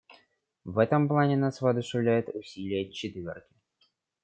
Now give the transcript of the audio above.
В этом плане нас воодушевляют усилия «четверки».